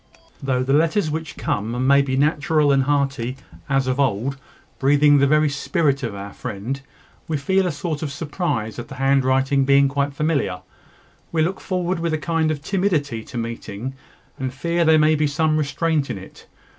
Though the letters which come may be natural and hearty, as of old, breathing the very spirit of our friend, we feel a sort of surprise at the handwriting being quite familiar. We look forward with a kind of timidity to meeting, and fear there may be some restraint in it.